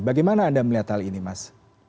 bagaimana anda melihat hal ini mas